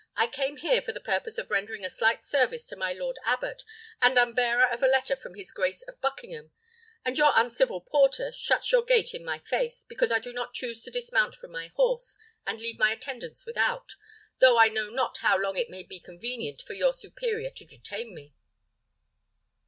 I came here for the purpose of rendering a slight service to my lord abbot, and am bearer of a letter from his grace of Buckingham; and your uncivil porter shuts your gate in my face, because I do not choose to dismount from my horse, and leave my attendants without, though I know not how long it may be convenient for your superior to detain me."